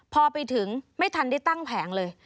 พอไปถึงไม่ทันได้ตั้งแผงเลย